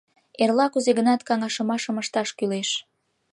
Эрла кузе-гынат каҥашымашым ышташ кӱлеш.